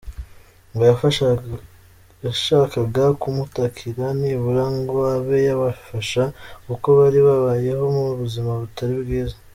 Ngo yashakaga kumutakira nibura ngo abe yabafasha kuko bari babayeho mu buzima butari bwiza.